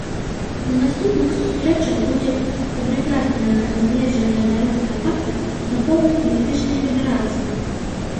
На наступных сустрэчах будзе падрабязна разгледжана дарожная карта да поўнай палітычнай федэрацыі.